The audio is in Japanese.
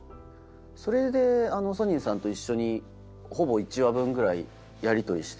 それでソニンさんと一緒にほぼ１話分ぐらいやりとりして。